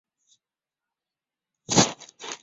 但严打的作用范围是有限的。